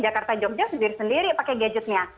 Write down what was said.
jakarta jogja ya jakarta jogja sendiri sendiri pakai gadgetnya